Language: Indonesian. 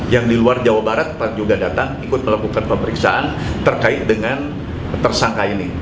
yang di luar jawa barat juga datang ikut melakukan pemeriksaan terkait dengan tersangka ini